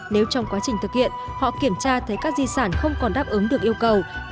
nếu trong quá trình thực hiện họ kiểm tra thấy các di sản không còn đáp ứng được yêu cầu